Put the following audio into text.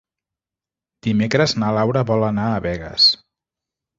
Dimecres na Laura vol anar a Begues.